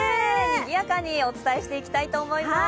にぎやかにお伝えしていきたいと思います。